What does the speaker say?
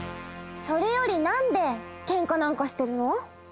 それよりなんでけんかなんかしてるの？